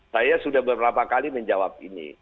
saya sudah beberapa kali menjawab ini